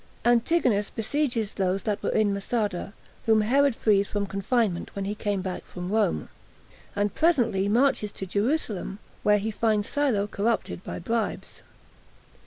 Antigonus Besieges Those That Were In Masada, Whom Herod Frees From Confinement When He Came Back From Rome, And Presently Marches To Jerusalem Where He Finds Silo Corrupted By Bribes.